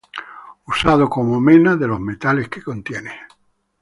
Usado como mena de los metales que contiene.